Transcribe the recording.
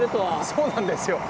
そうなんですよ。